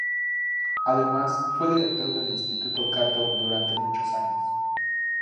Además, fue director del Instituto Cato durante muchos años.